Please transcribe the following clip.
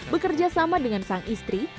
bekerja sama dengan sang istri